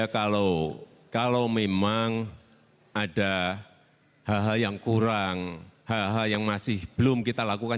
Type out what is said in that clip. kalau memang ada hal hal yang kurang hal hal yang masih belum kita lakukan